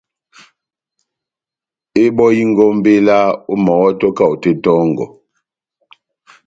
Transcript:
Ebɔhingé ó mbéla ómahɔ́to kahote tɔ́ngɔ